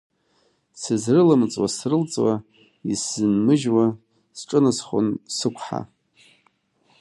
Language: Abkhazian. Сызрылымҵуа-срылҵуа исзынмыжьуа, сҿынасхон сықәҳа.